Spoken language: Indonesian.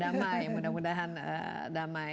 damai mudah mudahan damai